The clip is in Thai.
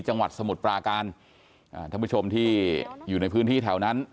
จังหวัดสมุทรปราการอ่าท่านผู้ชมที่อยู่ในพื้นที่แถวนั้น